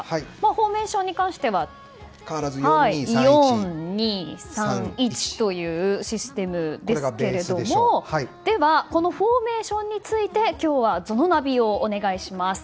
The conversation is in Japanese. フォーメーションに関しては４−２−３−１というシステムですけれどもこのフォーメーションについて今日はＺＯＮＯナビをお願いします。